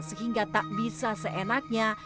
sehingga tak bisa seenaknya